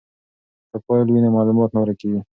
که فایل وي نو معلومات نه ورکیږي.